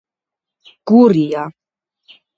გურია